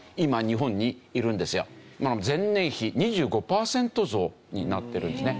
前年比２５パーセント増になってるんですね。